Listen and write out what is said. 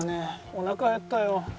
おなか減ったよ。